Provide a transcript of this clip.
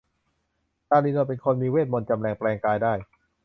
ตาลีนนท์เป็นคนมีเวทมนตร์จำแลงแปลงกายได้